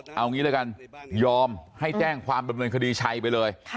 เอางี้ละกันยอมให้แจ้งความดำเนินคดีชัยไปเลย